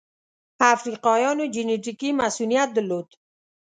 افریقایانو جنټیکي مصوونیت درلود.